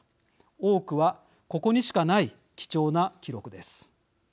多くは、ここにしかない貴重な記録です。